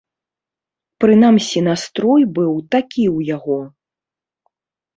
Прынамсі настрой быў такі ў яго.